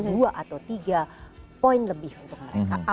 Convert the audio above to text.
dua atau tiga poin lebih untuk mereka